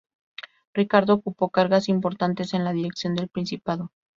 Ricardo ocupó cargos importantes en la dirección del principado.